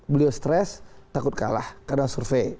beliau stres takut kalah karena survei